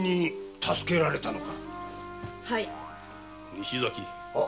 西崎。